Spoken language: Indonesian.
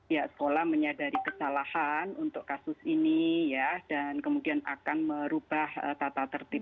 ya sekolah menyadari kesalahan untuk kasus ini ya dan kemudian akan merubah tata tertib